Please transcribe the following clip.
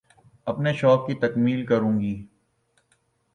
اپنے شوق کی تکمیل کروں گی